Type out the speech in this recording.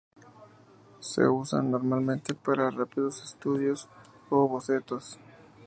Se usan normalmente para rápidos estudios o bocetos.